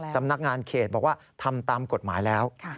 สำนักงานเขตบอกว่าทำตามกฎหมายแล้ว